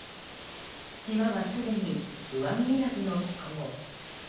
島はすでに上着いらずの気候。